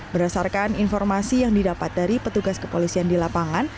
berdasarkan informasi yang didapat dari petugas kepolisian di lapangan